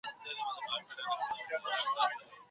له هر چا سره په مينه اخلاص او ورورولۍ چلند وکړه.